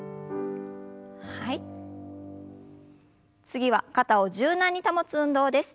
次は肩を柔軟に保つ運動です。